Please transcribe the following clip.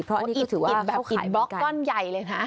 เพราะอันนี้ก็ถือว่าเข้าขายมีการอิดบล็อกก้อนใหญ่เลยฮะ